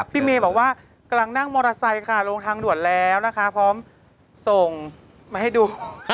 พี่เมย์บอกว่ากำลังนั่งมอเตอร์ไซค์ค่ะลงทางด่วนแล้วนะคะพร้อมส่งมาให้ดู